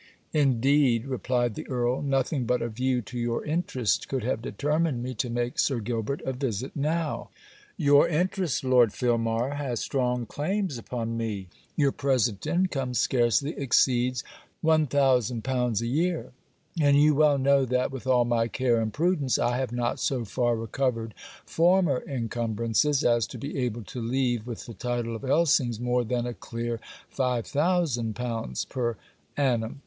'Indeed,' replied the Earl, 'nothing but a view to your interest could have determined me to make Sir Gilbert a visit now. Your interest, Lord Filmar, has strong claims upon me. Your present income scarcely exceeds 1000l. a year; and you well know that, with all my care and prudence, I have not so far recovered former encumbrances as to be able to leave with the title of Elsings more than a clear 5,000l. per annum.'